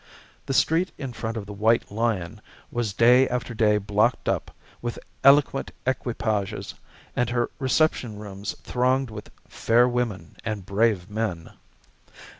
The street in front of the "White Lion" was day after day blocked up, with elegant equipages, and her reception rooms thronged with "fair women and brave men."